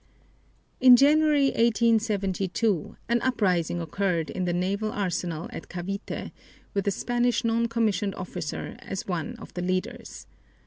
In January, 1872, an uprising occurred in the naval arsenal at Cavite, with a Spanish non commissioned officer as one of the leaders.